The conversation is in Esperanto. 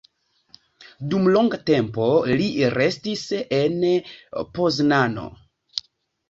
Dum longa tempo li restis en Poznano.